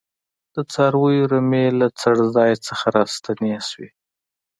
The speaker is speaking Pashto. د څارویو رمې له څړځای څخه راستنې شوې.